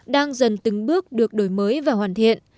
đang dần từng bước được đổi mới và hoàn thiện